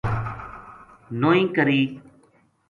نوئی کری